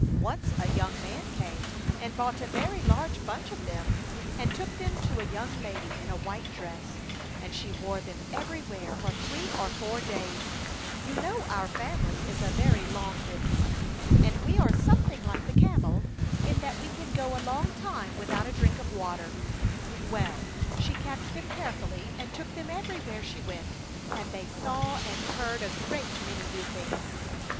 Once a young man came and bought a very large bunch of them and took them to a young lady in a white dress, and she wore them everywhere for three or four days — you know our family is a very long lived one, and we are something like the camel, in that we can go a long time without a drink of water — well, she kept them care fully and took them everywhere she went, and they saw and heard a great many new things.